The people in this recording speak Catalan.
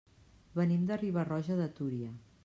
Venim de Riba-roja de Túria.